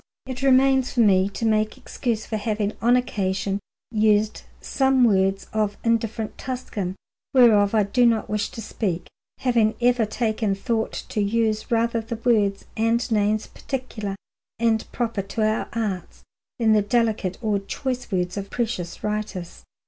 It remains for me to make excuse for having on occasion used some words of indifferent Tuscan, whereof I do not wish to speak, having ever taken thought to use rather the words and names particular and proper to our arts than the delicate or choice words of precious writers.